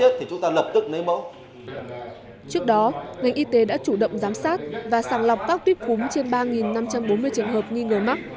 trước đó ngành y tế đã chủ động giám sát và sàng lọc các tuyếp cúm trên ba năm trăm bốn mươi trường hợp nghi ngờ mắc